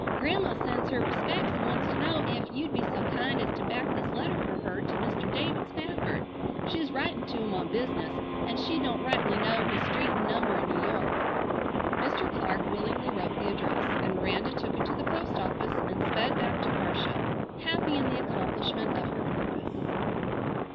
"Grandma sends her respecks and wants to know ef you'd be so kind as to back this letter fer her to Mr. David Spafford. She's writin' to him on business an' she don't rightly know his street an' number in New York." Mr. Clark willingly wrote the address, and Miranda took it to the post office, and sped back to Marcia, happy in the accomplishment of her purpose.